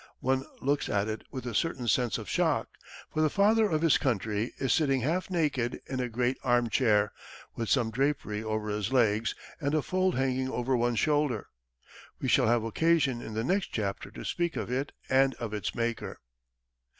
One looks at it with a certain sense of shock, for the Father of His Country is sitting half naked, in a great arm chair, with some drapery over his legs, and a fold hanging over one shoulder. We shall have occasion in the next chapter to speak of it and of its maker.